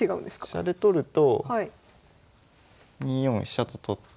飛車で取ると２四飛車と取って。